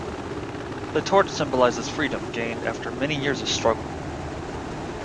The torch symbolizes freedom gained after many years of struggle.